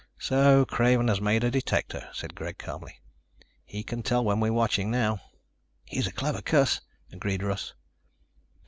"So Craven has made a detector," said Greg calmly. "He can tell when we're watching now." "He's a clever cuss," agreed Russ.